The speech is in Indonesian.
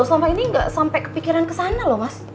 selama ini nggak sampai kepikiran kesana loh mas